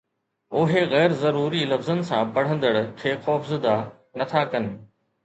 اهي غير ضروري لفظن سان پڙهندڙ کي خوفزده نٿا ڪن